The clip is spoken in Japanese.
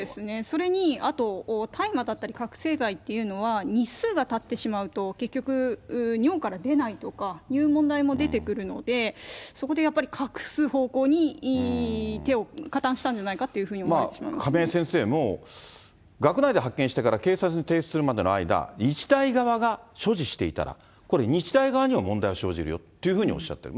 それに、あと大麻だったり覚醒剤というのは、日数がたってしまうと、結局、尿から出ないとかという問題も出てくるので、そこでやっぱり隠す方向に手を加担したんじゃないかなと思われて亀井先生も、学内で発見してから警察に提出するまでの間、日大側が所持していたら、これ、日大側にも問題が生じるよというふうにおっしゃっている。